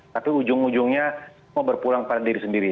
tapi ujung ujungnya semua berpulang pada diri sendiri